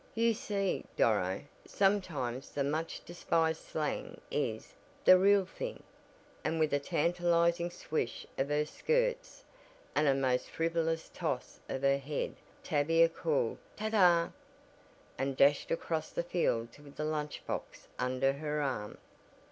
You see, Doro, sometimes the much despised slang is the real thing," and with a tantalizing swish of her skirts, and a most frivolous toss of her head Tavia called "Ta ta!" and dashed across the fields with the lunch box under her arm.